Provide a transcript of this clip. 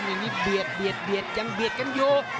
อย่างนี้เบียดเบียดเบียดยังเบียดกันอยู่